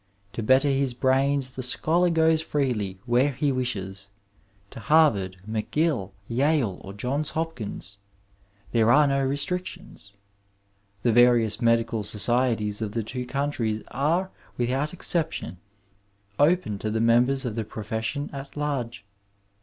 To better his brains the scholar goes freely where he wishes — to Harvard, McGill, Tale, or Johns Hopkins ; there are no restrictions. The various medical societies of the two countries are, without exception, open to the members of the profession at brge.